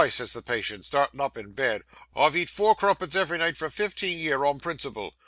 says the patient, starting up in bed; "I've eat four crumpets, ev'ry night for fifteen year, on principle."